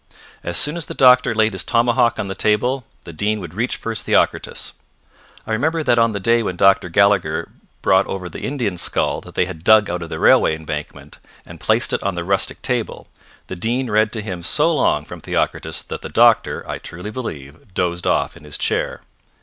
As soon as the doctor laid his tomahawk on the table, the Dean would reach for his Theocritus. I remember that on the day when Dr. Gallagher brought over the Indian skull that they had dug out of the railway embankment, and placed it on the rustic table, the Dean read to him so long from Theocritus that the doctor, I truly believe, dozed off in his chair.